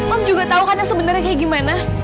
om juga tau kan yang sebenarnya kayak gimana